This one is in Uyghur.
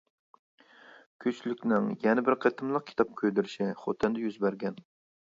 كۈچلۈكنىڭ يەنە بىر قېتىملىق كىتاب كۆيدۈرۈشى خوتەندە يۈز بەرگەن.